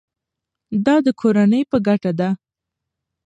دا د کورنۍ په ګټه ده.